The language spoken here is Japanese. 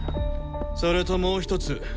それともう一つ。